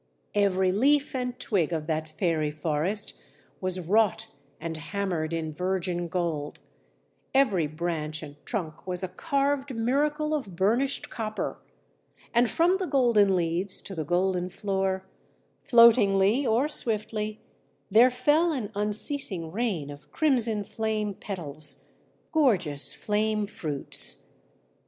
Every leaf and twig of that fairy forest was wrought and hammered in virgin gold, every branch and trunk was a carved miracle of burnished copper. And from the golden leaves to the golden floor, floatingly or swiftly, there fell an unceasing rain of crimson flame petals, gorgeous flame fruits.